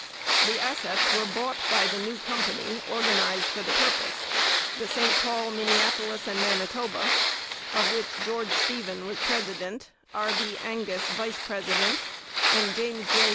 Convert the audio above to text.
The assets were bought by the new company organized for the purpose, the St Paul, Minneapolis and Manitoba, of which George Stephen was president, R. B. Angus vice president, and James J.